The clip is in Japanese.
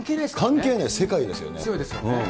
関係ない、世界ですよね。ですよね。